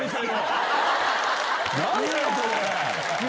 何だよこれ！